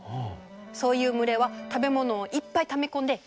そういう群れは食べ物をいっぱいため込んで余裕がある。